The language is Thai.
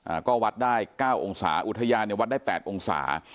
อ่าก็วัดได้เก้าองศาอุทยานเนี่ยวัดได้แปดองศา